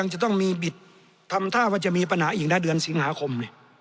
จะต้องมีบิดทำท่าว่าจะมีปัญหาอีกนะเดือนสิงหาคม